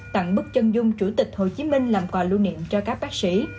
tặng bức chân dung chủ tịch hồ chí minh làm quà lưu niệm cho các bác sĩ